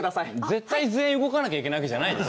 絶対全員動かなきゃいけないわけじゃないですよ。